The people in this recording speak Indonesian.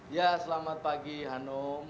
ya selamat pagi hanum